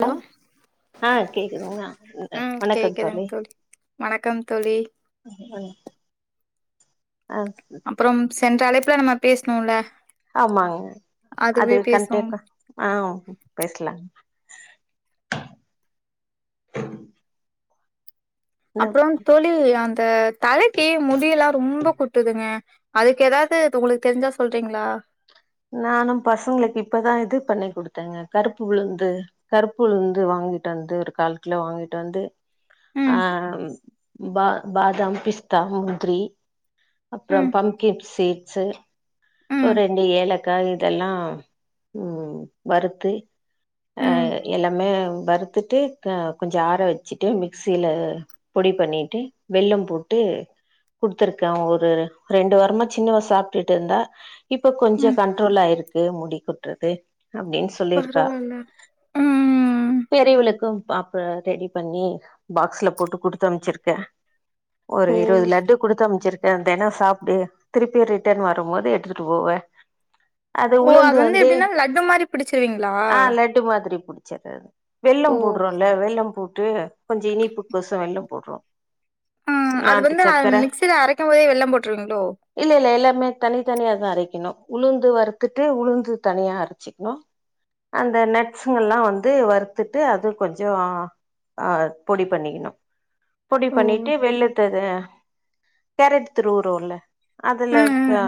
Hello [unintelligible] ஆ கேக்குதுங்க ம் அ வணக்கந் தோழி வணக்கம் தோழி அ ம் அப்புறம் சென்ற அழைப்புல நம்ம பேசுனோல்ல ஆமாங்க அது பேசுவோம் கண்டேக்க ஆவ் பேசலாங் நா அப்புறந் தோழி அ த தலைக்கி முடியெல்லா ரொம்ப கொட்டுதுங்க அதுக்கு எதாது து உங்குளுக் தெரிஞ்சா சொல்றீங்ளா நானும் பசங்குளுக் இப்பதா இது பண்ணி குடுத்தேங்க கருப்பு உளுந்து கருப்பு உளுந்து வாங்கிட்டு வந்து ஒரு கால் கிலோ வாங்கிட்டு வந்து ம் ஆ ம் பா பாதாம் பிஸ்தா முந்திரி அப்புற ம் [unintelligible] சீட்ஸு ஒ ம் ரெண்டு ஏலக்கா இதெல்லா ம் வறுத்து அ ம் எல்லாமே வறுத்துட்டு க கொ ஜார வெச்சிட்டு மிக்சில பொடி பண்ணிட்டு வெல்லம் போட்டு குடுத்ருக்கே ஒரு ரெண்டு வாரமா சின்னவ சாப்ட்டுட்டுந்தா இப்ப கொஞ்சோ ம் கண்ட்ரோல் ஆயிருக்கு முடி கொட்றது அப்டின் சொல்லிருக்கா பரவால்ல ம் பெரிவிளுக்கும் ப ப்ப ரெடி பண்ணி பாக்ஸ்ல போட்டு குடுத்தம்ச்சிருக்கே ஒரு ஓ இருவது லட்டு குடுத்தம்ச்சிரு அ தெனோ சாப்டு திருப்பி ரிட்டன் வருமோது எ ட்ருக்கு ஓவ ஓ அது வந்து எப்டின்னா லட்டு மாரி பிடிச்சிருவீங்ளா ச்சர்றது வெல்லம் போட்றோல்ல வெல்லம் போ போட்டு கொஞ்சோ இனிப்புக்கொசறே வெள்ளம் போட்றோ ம் அது நாட்டு வந்து அன் சக்கர மிக்சில அரைக்கும் போதே வெள்ளம் போட்ருவிங்ளோ அறைக்கிணு உளுந்து வறுத்துட்டு உளுந்து தனியா அரச்சிக்னு அந்த நட்சுங்கல்லா வந்து வறுத்துட்டு அது கொஞ்சோ அ அ பொடி பண்ணிகிணு பொடி ஓ பண்ணிட்டு வெள்ளத்த கேரட் துருவுரோல அதுல ம் அ ம்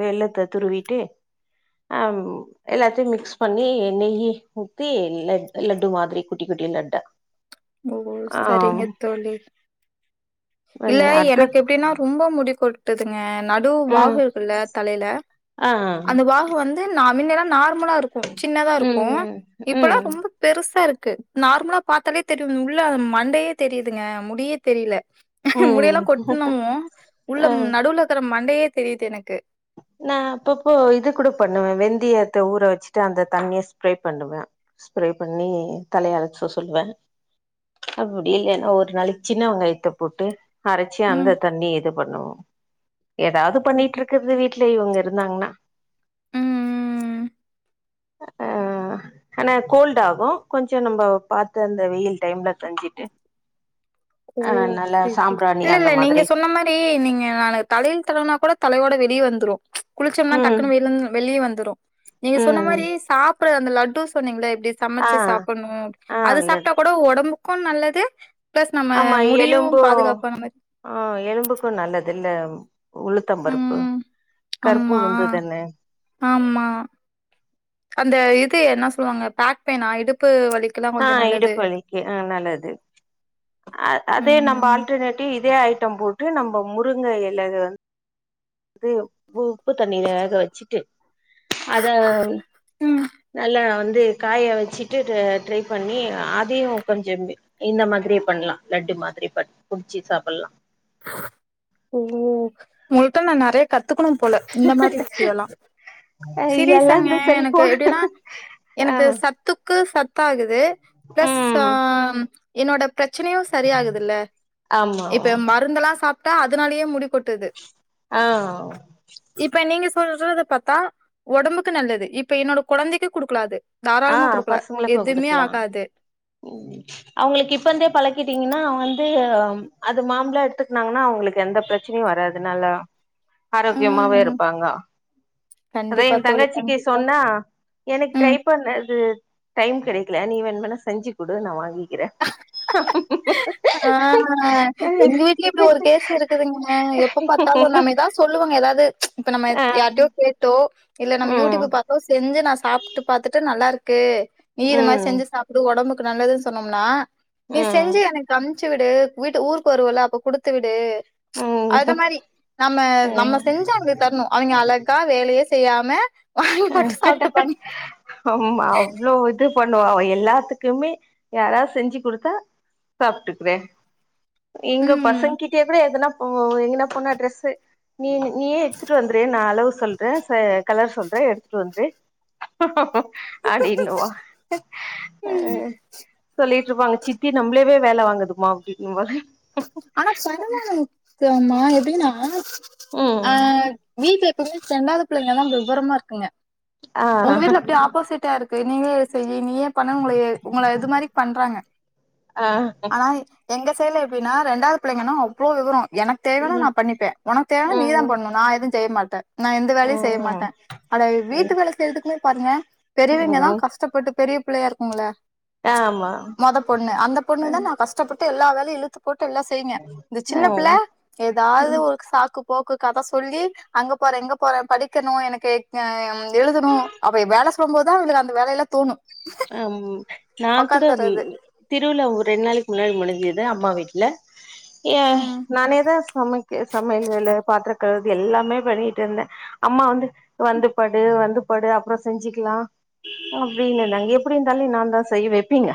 வெள்ளத்த துருவி ட்டு அம் எல்லாத்யு மிக்ஸ் பண்ணி நெய்யி ஊத்தி லட் லட்டு மாரி குட்டி குட்டி லட்டா ஓ ஆ செரிங்க தோழி அந்த இல்ல அடுத்து எனக்கு எப்டின்னா ரொம்பா முடி கொட் ங்க நடு ம் வாகு இருக்குல்ல தலைல ஆ அந்த வாகு வந்து நா மின்னேல்லா நார் ம்லா இருக்கு சின்னதா இருக்கு ம் இப்பெல்லா ம் ரொம்ப பெருசா இருக் க்கு நார்ம்லா பாத்தாலே தெர்ரியு உள்ள மண்டையே தெரியுதுங்க முடியே தெரில ம் முடியெல்லா கொட்னவு ஆ உள்ளம் நடுல இருக்கிற மண்டையே தெரிது எனக்கு நா அப்பப்போ இது கூடு பண்ணுவே வெந்தியத்த ஊற வெச்ட்டு அந்த தண்ணிய ஸ்ப்ரே பண்ணுவ ஸ்ப்ரே பண்ணி தலைய அழச்சோ சொல்லுவ அப்புடி இல்லேனா ஒரு நாளிக் சின்னவெங்காயத்த போட்டு அரச்சு ம். அந்த தண்ணி இது பண்ணுவோ எதாவ்து பண்ணிட்ரு இருக் வீட்லே இவுங்க இருந்தாங்னா ம். அ ஆனா கோல்டாகு கொஞ்சோ நம்போ பாத்து அந்த வெயில் டைம்ல செஞ்சிட்டு ஓ சேர் சேஅ இல்ல இல்ல நீங்க மாதிரி சொன்ன மாரி நீங்க அத தலைல தடவுனா கூட தலையோட வெ அப்டி வந்துரு குளிச்சொம்னா ம் டக்குனு வெய் வெளி வந்துரு நீங்க சொன்ன ம் மாரி சாப் ட்ற அந்த லட்டூ சொன்னீங்ளே எப் டே ஆ சமச்சு சாப்புண்ணு ஆ அது நல்லது சாப்ட்டா கூடோ ஒடம்பு க்கு நல்லது ப்ளஸ் ஆமா எலும்பு அ எலும்புக்கு நல்லது இல்ல உளுத்தம் பருப்பு ம் கருப்பு ஆமா உளுந்து தானே ஆமா அந்த இது என்ன சொல்லுவாங்க பேக் பெயின் ஆ இடுப்பு வலி அ இடுப்புவலிக்கு அ நல்லது அ அதே நம்ம ம் ஆல்டர்னேட்டிவ் இதே ஐட்டம் போட்டு நம்போ இப்போ முருங்க எலைய வந்து அதுக்கு உ உப்பு தண்ணீல வேக வச்சுட்டு அத ம் நல்லா வந்து காய வச்சுட்டு ட்ரை பண்ணி அதையும் கொஞ்சம் இந்த மாதிரியே பண்ணலாம் லட்டு மாதிரி பண்ண புடிச்சு சாப்பிடலாம் ஓ உங்கிட்ட ந நிறைய கத் கத்துக்கணும் போல இந்த மாதிரி விஷயல்லாம் எல்லா சீறிசாங்க இந்த எனக்கு செல்போன் எப்படின்னா ஆ எனக்கு சத்துக்கு சத் ப்ப ஆது வே ப்ளஸ் ம் ஆஹ என்னோடப் பிரச்சனையும் சரியாகுதுல்ல ஆமா இப்ப எ மா இதலா சாப்ட்டா அதனாலயே முடி கொட்டுது ஆ இப்ப நீங்க சொல்றது பார்த்தா உடம்புக்கு நல்லது இப்ப என்னோட குழந்தைக்கு கொடுக்கலா அது தாராளமா ஆஹ் குடுக்கலா. பசங்களுக்கு எதுமே குடுக்கலாம் ஆகாது. அவங்களுக்கு இப்பந்தே பழக்கிட்டீங்கன்னாங்க வந்துஹ அது மாமலா எடுத்துக்கனாங்கன்னா அவங்களுக்கு எந்த பிரச்சனையும் வராதுனால ஆரோக்கியமாவே ம் இருப்பாங்க அதான் கண்டிப்பா என் தோழி தங்கச்சிக்கு கண்டிப்பா. சொன்னா எனக்கு ம். ட்ரை பண்ண இது டைம் கடைக்கல நீவேனுனா செஞ்சி கொடு நா வாங்கி கிற ஆஹ் எங்க வீட்லயும் இப்படி ஒரு கேசு இருக்குதுங்க எப்ப பார்த்தாலும் நம்ம எதான் சொல்லுவோங்க ஏதாவது இப்ப நம்ம ஆ யார்கிட்டையோ கேட்டோம் போ இல்ல நம்ம ம் யூடியூப் பார்த்தோ செஞ்ச நான் சாப்பிட்டு பாத்துட்டு நல்லா இருக்கு க நீ இது மாரி ம் செஞ்சு சாப்புடு உடம்புக் நல்லது சொன்னோம்னா நீ ம் செஞ்சு எனக்கு அம்ச்சு விடு வீட்டு ஊருக்கு வருவல அப்ப குடுத்து விடு ம் அத மாரி நம்ம நம்ம ம் செஞ்ச அவங்களுக்கு தரணும் அவங்க அழகா வேலையே செ செய்யாம வாங்கி மட்டும் சாப்ட்டுப்பாங்க. ஆமா அவ்வளோ இது பண்ணுவா எல்லாத்துக்கும் க்குமே யாராவது செஞ்சு கொடுத்தா சாப்பிட்டுக்கறேன் இங்க ம். பசங்க கிட்டே கூட எதுனா உ எங்கன போனா டிரெஸ்ு நீயே எடுத்துட்டு வந்துேன் நான் அளவு சொல்றேன் கலர் சொல்றேன் எத்து வன்றி அடின்னுவஹ் ம். சொல்லிட்டு இருப்பாங்க சித்தி நம்மளே வே வேலை வாங்குதுும்மா அப்படி ஆனா சரமான முக்கமா எ அப்படினா ம் அஹ் மீ பே செண்டாவது பிள்ளைங்க தான் விவரமா இருக்குங்க ஆ உங்க வீட்டுல அப்படியே ஆப்போசிட்டா இருக்கு நீங்களே செய்ய நீ பண்ண உங்க உங்க இது மாதிரி பண்றாங்க ஆ ஆனா எங்க செய்ல எப்படின்னா ரெண்டாவது பிள்ளைங்கணா அவ்ளவு விவரம் எனக்கு தேவைைனா ம் நான் பண்ணிப்பன் உனக்கு தேவைவனா நீ தான் ம் பண்ணணும் நான் எதுவும் செய்ய மாட்டேன் த நான் எந்த வேலையும் செய்ய ம் மாட்டேன் அட வீட்டு வேலை செய்யறதுக்குமே பாருங்க ம் பெரியவங்கதான் ம் கஷ்டப்பட்டு பெரிய பிள்ளையா இருக்குங்கள ஆமா மொத பொண்ணு அந்த பொண்ணு தான் ம் நான் கஷ்டப்பட்டு டு எல்லாம் வேலையும் இ எல்லாம் செய்யுங்க இந்த சின்ன பிள்ள ம் ஏதாவது ஒரு சாக்கு போக்கு கதை சொல்லி அங்க போறேன் எங்க போறன் படிக்கணும் எனக்குஹ எழுதணும் அப்படி வேலை சொல்லும்போதுதான் அவங்களுக்கு அந்த வேலையெல்லாம் தோணும் ஹம் நான் கூட உக்காந்துறது திருவள்ள ரெண்டு நாளைக்கு முன்னாடி முடிஞ்சது அம்மாாவீட்டு இலலை ஏ உம் நானேதான் சமைக்க சமையலலை பாத்தக்க எல்லாமே பண்ணிட்டு இருந்தேன் அம்மா வந்து வந்து படு வந்து படு அப்புறம் செஞ்சுிக்கலாம் அப்படின்னுங்க எப்படி இருந்தாலும் நான் தான் செய்ய வைப்பீங்க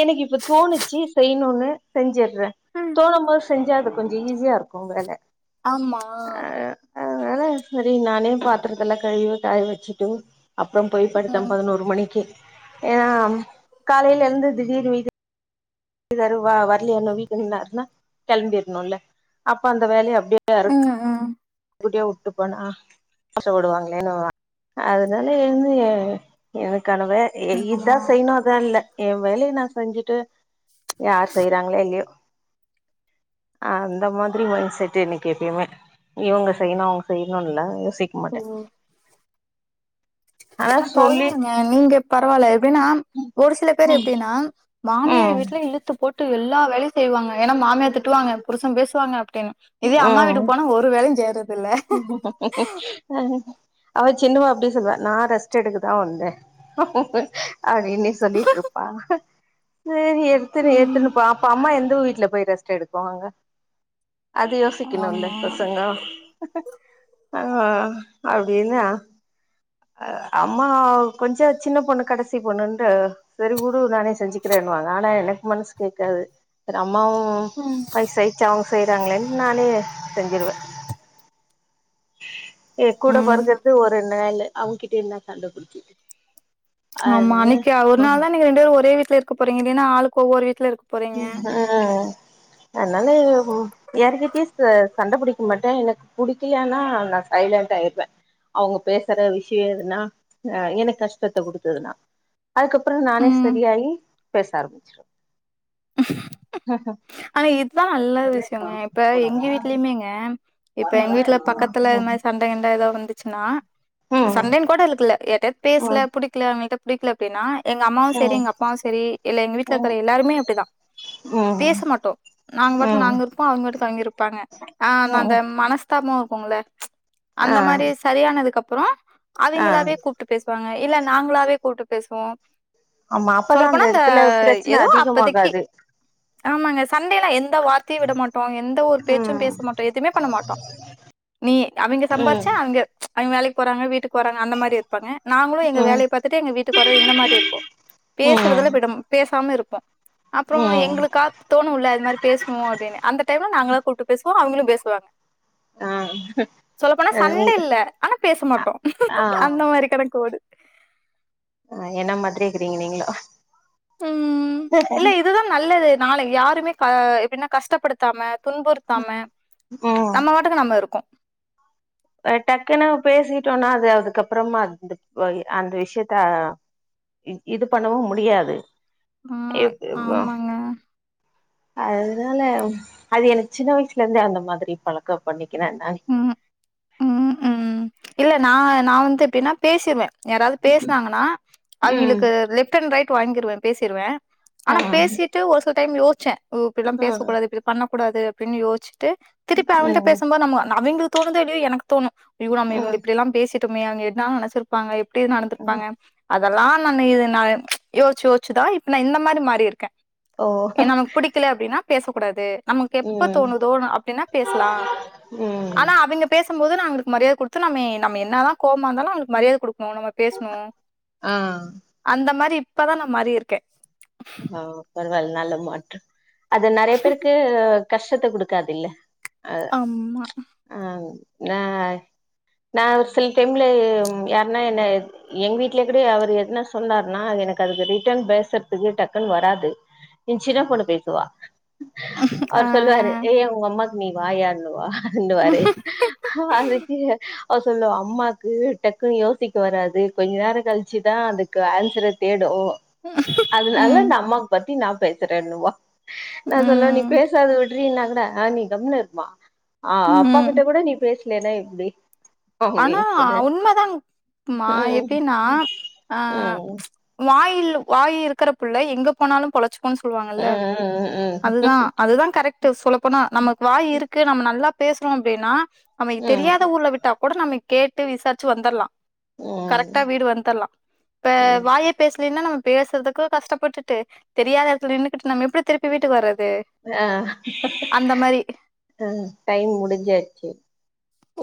எனக்கு இப்ப தோணுச்சு செய்யணும்னு செஞ்ச தோ செஞ்சாது கொஞ்சம் ஈஸியா இருக்கும் வேலை ஆமா ஆஹ் சரி நானே பாத்துறதெல்லாம் கழ காய வச்சுட்டுும் அப்புறம் போய் படிடுத்தம் உம் பதினோரு மணி ஏன்னா காலையில எழுந்து திடீர்னு மீது தாரு வா வரலையா என்ன்னும் வீட்டு நின்னாருன்னா கிளம்பிடணும்ல்ல அப்ப அந்த வேலையை டர் உம் உம் குட்டியா விட்டு போனா பசைப்படுவாங்களேன்னு அதனாலந்து எனக்கு க்கனவே ஆமா இதான் செய்யணும்ான் இல்ல என் வேலைய நான் செஞ்சுட்டு யார் செய்யறாங்களோ இல்லையோ அந்த மாதிரி மைண்ட செட் எனன்னைக்கு எப்பயுமே இவங்க செய்யணும் அவங்க செய்யணும் சிக்க மாட்டே ஆனா அதெல்லா சொல்லி பரவாலங்க நீங்க பரவால்ல எப்பிடின்னா ஒரு சில பேர் ம் எப்பிடின்னா மாமியார் ம் வீட்ல இழுத்து போட்டு எல்லா வேலையும் செய்வாங்க ஏன்னா மாமியா திட்டுவாங்க புருசன் பேசுவாங்க ட்டே இதே ஆ அம்மா வீட்டு போனா ஒரு வேளையும் செய்யறது இல்ல அவ சின்னவ அப்டி சொல்வே நா ரெஸ்ட் எடுக்கதா வந்தே அப்டின்னே சொல்லிட்ருப்பா சேரி எடுத்துனு ம் எடுத்துனு போ அப்ப அம்மா எந் த வீட்ல போய் ரெஸ்ட் எடுப்பாங்க அது யோசிக்கணு இல்லே ஆமா பசங்கோ ஆ அப்டினா அம்மா கொஞ்ச சின்ன பொண்ணு கடைசி பொண்ணு வந்து செரி குடு நானே செஞ்சுக்கிறேன்னுவாங்க ஆனா எனக்கு மனசு கேக்காது செரி அம்மாவு ம் வயிசாயிச் அவுங் செய்றாங்களேன்னு நானே செஞ்சிருவே எ கூட ம் பொறக்கறது ஒரு நாளு அவங்ககிட்ட என்ன சண்ட புடிச்சு ஆமா அன்னைக்கு ஒரு நாள்தா நீங்க ரெண்டு பேரு ஒரே வீ ட்ல இருக்க போறிங்க இல்லைனா ஆளுக்கு ஒவ்வொரு வீட்ல இருக்க போறீங்க அ அ அதனால யார்கிட்டயு ச சண்ட புடிக்க மாட்ட எனக்கு புடிக்கலனா நா சைலன்ட் ஆயிருவ அவங்க பேசற விஷய எதுனா ஆ எனக்கு கஷ்டத்த குடுத்துதுனா அதுக்கப்புற நானே ம் சரியாயி பேச ஆரம்பிச்சிருவ ஆனா இத்தா நல்ல விஷயங்க இப்ப எங்க வீட்லயுமேங்க இப்ப எங்க வீட்ல பக்கத்துல இது மாரி சண்ட கிண்ட ஏதாவது வந்துச்சுன்னா ம் சண்டேன்னு கூட இழுக்குல யார்டாத் ம் பேசல புடிக்கில அவங்கிட்ட புடிக்ல அப்டின்னா ய் எங்க அம்மாவும் சேரி ம் எங்க அப்பாவும் சேரி இல்ல எங்க வீட்ல இருக்குற ம் எல்லாருமே அப்டிதா ம் ம் பேச மாட் நாங்க பாட்டுக்கு ம் நாங்க இருப்போம் அவங்க பாட்டுக்கு அவங்க இருப்பாங்க ஆ அந்த அந்த ம் மன ஸ் தாமா இருக்குங்குல்ல ஆ அந்த மாரியே சரியானதுக்கப் ப்புறோ ஆ அவிங்களாவே கூப்ட்டு பேசுவாங்க இல்ல நாங்களாவே கூப்ட்டு பேசுவோம் ஆமா அப்பதான் அந்த இந்த இடத்துல பிரச்சன ஏதோ அப்பதைக்கு அதிகமாகாது ஆமாங்க சண்டையில எந்த எந்த வார்த்தையும் விட மாட்டோ எந்த ஒரு பேச்சும் ம் பேச மாட்டோ எதுவுமே பண்ண மாட்டே நீ அவங்க சம்பாரிச்ச ம் அவங்க அவைங்க வேலைக்கு போறாங்க வீட்டு போறாங்க அந்த மாரி இருப்பாங்க நாங்களும் எங்க ம் வேலையை பாத்துட்டு எங்க வீட்டுக்கு வர்ரது இந்த மாரி இருக்கும் பேசுறதுல ம் பேசாம இருப்போம் ப்ப அப்புறோ ம் எங்களுக்காத் உள்ள அது மாரி பேசுணும் அப்பிடின்னு அந்த டைம்ல நாங்களும் கூப்புட்டு பேசுவோம் அவேங்களும் பேசுவாங்க ஆ சொல்ல போனா சண்ட இல்ல ஆனா பேச மாட்டோ ஆ அந்த மாரி கணக்கு ஓடு அ என்ன மாதிரி இருக்குறீங்க நீங்களு ம் இல்ல இது தான் நல்லது நாளை யாருமே எப்டின்னா கஷ்டப்படுத்தாம துன்புறுத்தாம நம்ம வாட்டுக்கு நம்ம இருக்கோ டக்குனு பேசிட்டோனா அது அதுக்கப்புறமா அந்த அந்த விஷயத்த இது பண்ணவும் முடியாது ஆ ஆமாங்க அதுனால அது எனக்கு சின்ன வயசுல இருந்தே அந்த மாதிரி பழக்கம் பண்ணி க்கிற நானு ம் ம் ம் இல்ல நான் நா வந்து எப்டின்னா பேசிருவே யாராவது பேசுனாங்கன்னா ம் அவுங்குளுக்கு லெஃப்ட் அண்ட் ரைட் வாங்கிருவேன் பேசிருவேன் ஆ ஆனா பேசிட்டு ஒரு சொ டைம் யோசுச்ச இப்டில்லாம் ஆ பேசக்கூடாது இப்டி பண் கூடாது அடின்னு யோசுச் திருப்பி அவுங்குள்ட ம் பேசும்போது நம்ம அவைங்களுக்கு தோணுதேனு எனக்கு தோணு ம் இப்படியல்லா பேசி அங்க என்ன நினைச்சு இருப்பாங்கப்ப இப்படி ம் நடந்திருப்பாங்க அது அதுல்லா நான் இது நா யோசச்சு யோசச்சுதான் இப்ப நான் இந்த மாரி இருக்கே ஓ ஏனா நமக்கு புடிக்கல அப்படின்னா பேசோ கூடாது நமக்கு எப்ப ம் தோணுதோ அப்படின்னா பேசலா ம் ஆனா அவங்க பேச போதும் அவருக்கு மரியாதை கொடு நமே நம்ம என்ன தான் கோமாயிருந்தாலும் அவங்களுக்கு மரியாதை கொடு நம்ம பேசணும் ஆ அந்த மாரி இப்பதான் நான் மாறி இருக்கேன் ஆ நல்ல மாற்றம் அது நிறைய பேருக்கு கஷ்டத்த கொடுக்காதுல அ ஆமா. ஆஹ் ஆஹ நான் ஒரு சில டைம்ல யாருன்னா என்ன எங்க வீட்ல கூட அவர் எதுனா சொன்னாார்ன்னா எனக்கு அதுக்கு ரிட்டர்ன் பேச டக்குன்னு வராது ஏன் சின்ன பொண்ணு பேசுவா ஆ. அவரு சொல்லுவாரு ஏயன் உங்க அம்மா நீ வாயான்னு வா ண்டு வாரே ‌அதுக்கு அவ சொல்லுவா அம்மாக்கு டக்குன்னு யோசிக்க வராது கொஞ்சோ நேரோ கழிச்சு தா அதுக்கு ஆன்சர தேடூ அதனால ம். இந்த அம்மாவ பத்தி நா பேசுறேன்னுவா நா சொல்வே நீ ம். பேசாத வி ட்ரீன்னா கூட அ நீ கம்முன்னு இருமா ஆ அப்பா ம். கிட்ட கூட நீ பேசு இல்லைனா எப்டி ஆனா அப்டின்னு சொல்றே உண்மதாங் மா ம் எப்டின்னா ஆ ம் வாயில் டு வாய் இருக்குற பிள்ள எங்க போனாலும் பொழச்சு க்கோன் சொல்லுவாங்கல்ல ம் அதுதா அதுதாங் கரெக்ட்டு சொல்லப்போனா நமக் வாய் இருக்கு நம்ம நல்லா பேசுறோ அப்டின்னா அவைங்க ம் தெரியாத ஊர்ல விட்டா கூட நம்ம கேட்டு விசாச்சு வந்தர்லா கரெக்டா ம் வீடு வந்தர்லா இப்ப ம் வாயே பேசலின்னா நம்ம பேசுறதுக்கு கஸ்டப்பட்டுட்டு தெரியாத எடத்துல நின்னுக்கிட்டு நம்ம எப்டி திருப்பி வீட்டுக்கு வர்றது ஆஹ் அந்த மாரி ஆஹ் டைம் முடிஞ்சாச்சு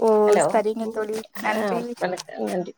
ஓ ஹலோ சரிங்க ஆஹ்ம் தோழி ஆஹ் நன்றி வணக்கம்